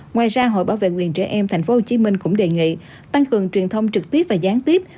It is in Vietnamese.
ngoài ra hội bảo vệ quyền trẻ em tp hcm cũng đề nghị tăng cường truyền thông trực tiếp và gián tiếp